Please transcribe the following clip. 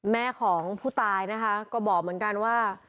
แม่ของผู้ตายนะคะก็บอกเหมือนกันว่า